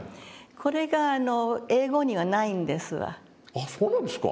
あそうなんですか。